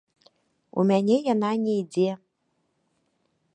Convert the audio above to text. У мяне яна не ідзе.